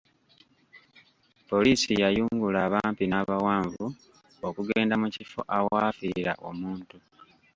Poliisi yayungula abampi n'abawanvu, okugenda mu kifo awaafiira omuntu.